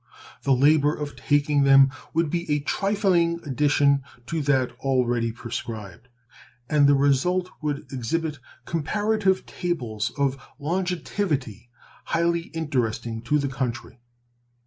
The labor of taking them would be a trifling addition to that already prescribed, and the result would exhibit comparative tables of longevity highly interesting to the country.